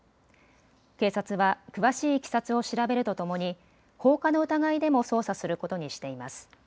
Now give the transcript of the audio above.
警察は詳しいいきさつを調べるとともに放火の疑いでも捜査することにしています。